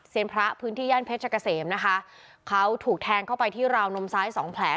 พระพื้นที่ย่านเพชรเกษมนะคะเขาถูกแทงเข้าไปที่ราวนมซ้ายสองแผล